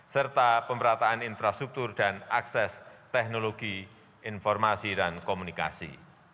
serta pemerataan infrastruktur dan akses teknologi informasi dan komunikasi